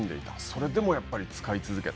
それでもやっぱり使い続けた。